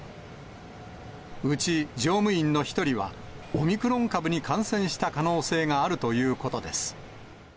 うち乗務員の１人は、オミクロン株に感染した可能性があるということです。